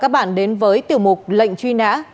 các bạn đến với tiểu mục lệnh truy nã